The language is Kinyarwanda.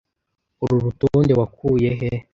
Uru rutonde wakuye he?